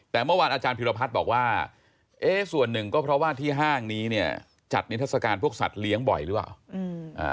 แต่เมื่อวานอาจารย์พิรพัฒน์บอกว่าเอ๊ะส่วนหนึ่งก็เพราะว่าที่ห้างนี้เนี่ยจัดนิทัศกาลพวกสัตว์เลี้ยงบ่อยหรือเปล่า